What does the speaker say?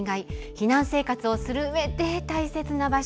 避難生活をするうえで大切な場所